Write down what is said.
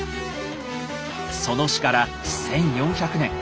その死から１，４００年。